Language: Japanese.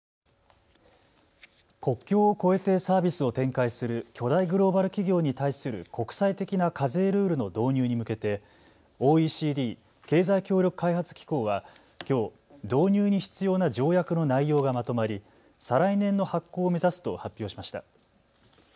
国境を越えてサービスを展開する巨大グローバル企業に対する国際的な課税ルールの導入に向けてＯＥＣＤ・経済協力開発機構はきょう導入に必要な条約の内容がまとまり再来年の発効を目指すと発表しました。